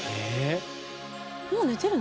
もう寝てるの？